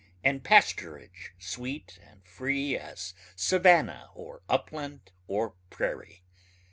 and pasturage sweet and free as savannah or upland or prairie